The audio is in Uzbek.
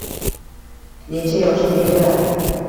—Necha yoshda edilar?